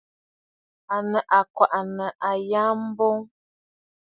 À nɨ àkwènə̀ àyâŋmbô.